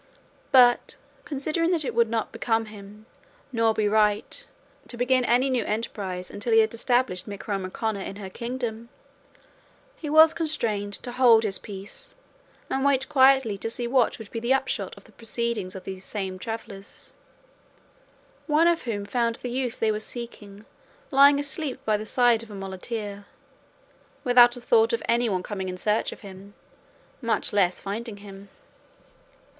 But considering that it would not become him, nor be right, to begin any new emprise until he had established Micomicona in her kingdom, he was constrained to hold his peace and wait quietly to see what would be the upshot of the proceedings of those same travellers; one of whom found the youth they were seeking lying asleep by the side of a muleteer, without a thought of anyone coming in search of him, much less finding him.